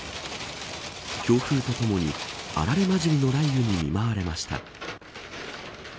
強風とともにあられまじりの雷雨に見舞われました。